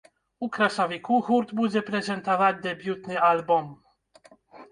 У красавіку гурт будзе прэзентаваць дэбютны альбом.